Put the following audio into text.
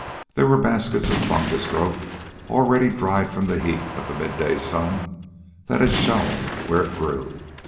There were baskets of fungus growth, already dried from the heat of the mid day sun that had shone where it grew.